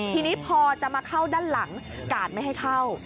ทีนี้พอจะมาเข้าด้านหลังกาดไม่ให้เข้า